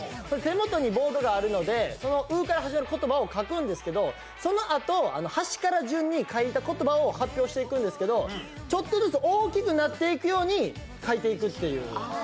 手元にボードがあるので「う」から始まる言葉を書くんですけどそのあと、端から順に書いた言葉を発表していくんですけど、ちょっとずつ大きくなっていくように書いてくという。